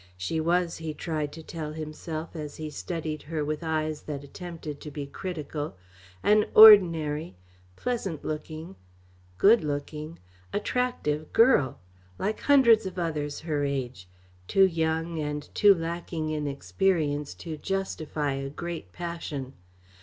She was, he tried to tell himself, as he studied her with eyes that attempted to be critical, an ordinary, pleasant looking, good looking, attractive girl, like hundreds of others of her age, too young and too lacking in experience to justify a great passion.